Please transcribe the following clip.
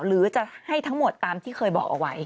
หรือจะให้ทั้งหมดตามที่เคยบอกเอาไว้